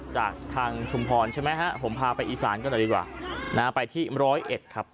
จากทางชุมพรใช่ไหมฮะผมพาไปอีสานกันหน่อยดีกว่านะฮะไปที่ร้อยเอ็ดครับ